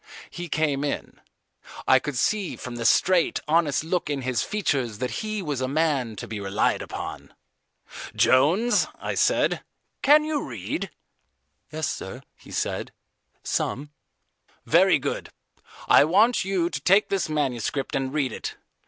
He came in. I could see from the straight, honest look in his features that he was a man to be relied upon. "Jones," I said, "can you read?" "Yes, sir," he said, "some." "Very good. I want you to take this manuscript and read it.